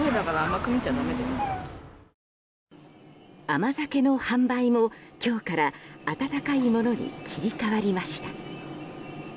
甘酒の販売も、今日から温かいものに切り替わりました。